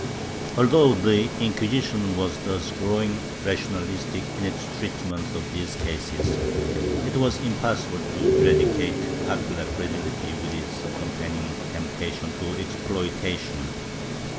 ^ Although the Inquisition was thus growing rationalistic in its treatment of these cases, it was impossible to eradicate popular credulity with its accompanying temptation to exploitation.